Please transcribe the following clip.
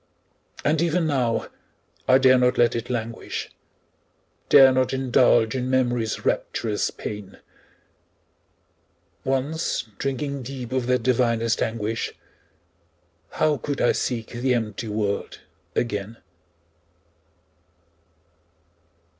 And even now, I dare not let it languish, Dare not indulge in Memory's rapturous pain; Once drinking deep of that divinest anguish, How could I seek the empty world again?